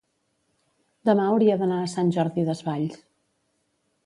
demà hauria d'anar a Sant Jordi Desvalls.